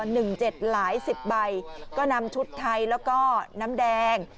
หนึ่งเจ็ดหลายสิบใบก็นำชุดไทยแล้วก็น้ำแดง